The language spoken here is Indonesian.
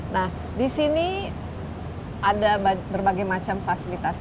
nah di sini ada berbagai macam fasilitas